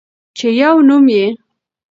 چې يو نوم يې